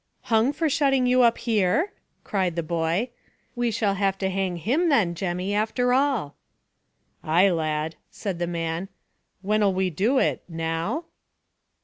"Hung for shutting you up here?" cried the boy. "We shall have to hang him then, Jemmy, after all." "Ay, lad," said the man. "When'll we do it; now?"